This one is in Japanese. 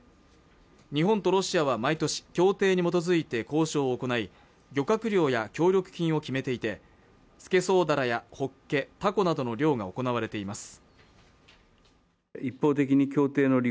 日本とロシアは毎年協定に基づいて交渉を行い漁獲量や協力金を決めていてスケソウダラやホッケタコなどの漁が行われています